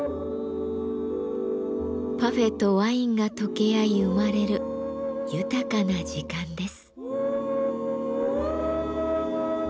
パフェとワインが溶け合い生まれる豊かな時間です。